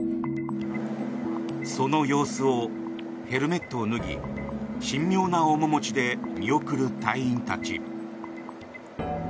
その様子をヘルメットを脱ぎ神妙な面持ちで見送る隊員たち。